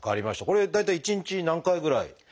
これ大体１日に何回ぐらい？